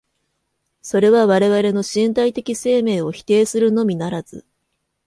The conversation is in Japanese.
それは我々の身体的生命を否定するのみならず、